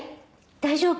大丈夫？